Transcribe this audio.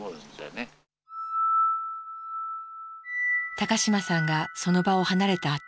高島さんがその場を離れたあと